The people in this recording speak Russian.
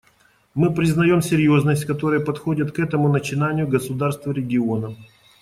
Мы признаем серьезность, с какой подходят к этому начинанию государства региона.